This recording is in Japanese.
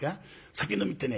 酒飲みってね